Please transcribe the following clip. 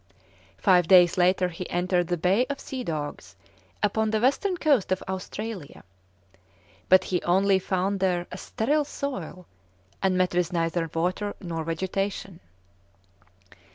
Five days later he entered the Bay of Sea Dogs upon the western coast of Australia; but he only found there a sterile soil, and met with neither water nor vegetation.